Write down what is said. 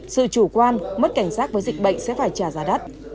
sự chủ quan mất cảnh giác với dịch bệnh sẽ phải trả giá đắt